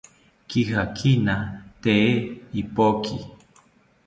Kijakina tee ipoki